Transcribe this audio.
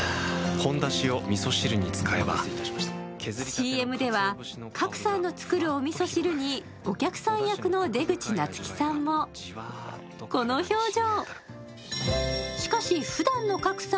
ＣＭでは賀来さんの作るおみそ汁にお客さん役の出口夏希さんもこの表情。